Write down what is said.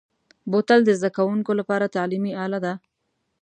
بوتل د زده کوونکو لپاره تعلیمي اله ده.